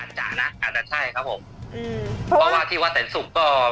จ๋านะอาจจะใช่ครับผมอืมเพราะว่าที่วัดแสนศุกร์ก็